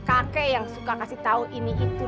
kakek yang suka kasih tau ini itu